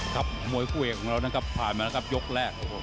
ครับมวยคู่เอียดของเรานะครับผ่านมาแล้วครับยกแรกครับโอ้โห